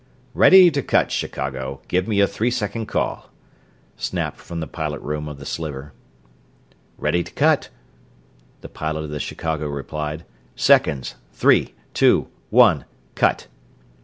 "Ready to cut, Chicago! Give me a three second call!" snapped from the pilot room of the Sliver. "Ready to cut!" the pilot of the Chicago replied. "Seconds! Three! Two! One! CUT!"